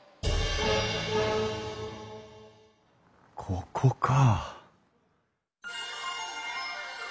ここか。